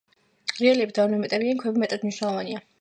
რელიეფები და ორნამენტიანი ქვები მეტად მნიშვნელოვანია.